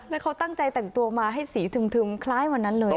แล้วเขาตั้งใจแต่งตัวมาให้สีทึมคล้ายวันนั้นเลย